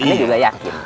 ane juga yakin